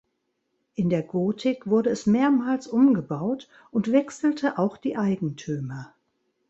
In der Gotik wurde es mehrmals umgebaut und wechselte auch die Eigentümer.